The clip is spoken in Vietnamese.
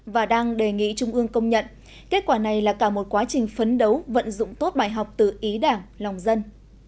và đang đề nghị trung ương công nhận kết quả này là cả một quá trình phấn đấu vận dụng tốt bài học từ ý đảng lòng dân